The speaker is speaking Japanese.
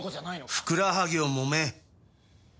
ふくらはぎをもめ。